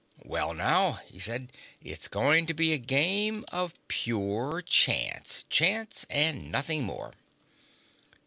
"Well, now," he said, "it's going to be a game of pure chance. Chance and nothing more."